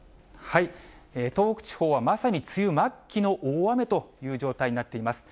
東北地方は、まさに梅雨末期の大雨という状態になっています。